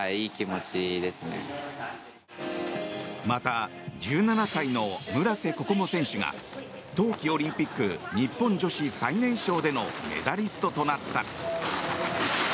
また、１７歳の村瀬心椛選手が冬季オリンピック日本女子最年少でのメダリストとなった。